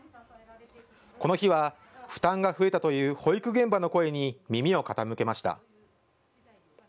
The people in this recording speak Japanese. この日は負担が増えたという保育現場の声に耳を傾けました。